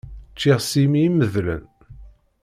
Ččiɣ s yimi imedlen.